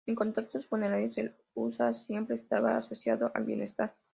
En contextos funerarios, el uas siempre estaba asociado al bienestar.